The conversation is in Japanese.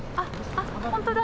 あっ本当だ。